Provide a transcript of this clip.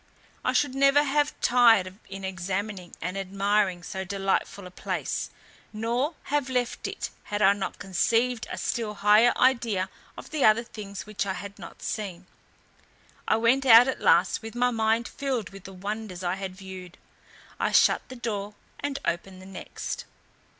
I should never have tired in examining and admiring so delightful a place; nor have left it, had I not conceived a still higher idea of the other things which I had not seen. I went out at last with my mind filled with the wonders I had viewed: I shut the door, and opened the next.